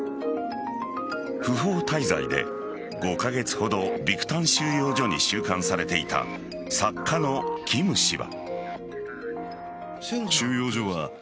不法滞在で５カ月ほどビクタン収容所に収監されていた作家のキム氏は。